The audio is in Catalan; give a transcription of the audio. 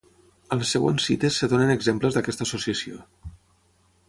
A les següents cites es donen exemples d'aquesta associació.